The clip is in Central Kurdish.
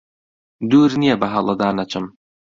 دوور نییە بەهەڵەدا نەچم